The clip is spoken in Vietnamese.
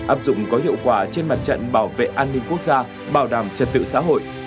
áp dụng có hiệu quả trên mặt trận bảo vệ an ninh quốc gia bảo đảm trật tự xã hội